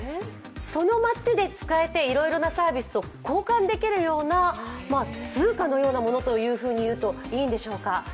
その街で使えていろいろなサービスと交換できるような通貨のようなものと言うといいんでしょうか。